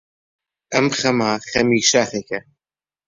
ئەم خەمە خەمی شاخێکە،